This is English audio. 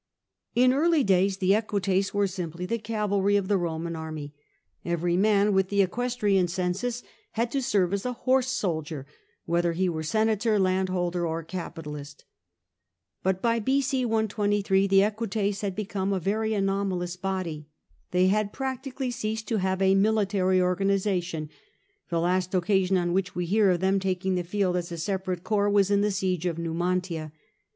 In early days the Equites were simply the cavalry of the Eoman army ; every man with the '' equestrian census,'' had to serve as a horse soldier, whether he were senator, landholder, or capitalist. But by B.C. 123 the Equites had become a very anomalous body. They had practically ceased to have a military organisation ; the last occasion on which we hear of them taking the field as a separate corps was at the siege of Numantia.